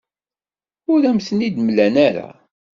Ur am-ten-id-mlan ara.